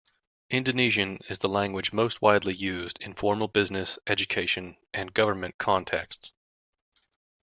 Indonesian is the language most widely used in formal business, education and government contexts.